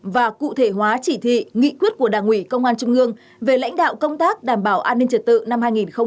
và cụ thể hóa chỉ thị nghị quyết của đảng ủy công an trung ương về lãnh đạo công tác đảm bảo an ninh trật tự năm hai nghìn hai mươi